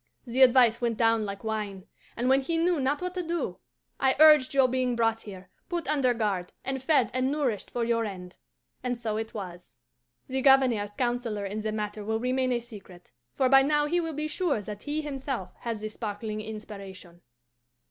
The advice went down like wine; and when he knew not what to do, I urged your being brought here, put under guard, and fed and nourished for your end. And so it was. "The Governor's counsellor in the matter will remain a secret, for by now he will be sure that he himself had the sparkling inspiration.